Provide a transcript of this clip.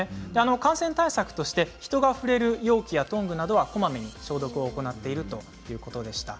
感染対策として人が触れる容器やトングなどはこまめに消毒を行っているということでした。